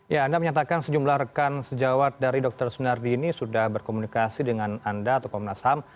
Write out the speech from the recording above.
ya anda menyatakan sejumlah rekan sejawat dari dr sunardi ini sudah berkomunikasi dengan anda atau komnas ham